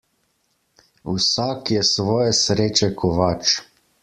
Vsak je svoje sreče kovač.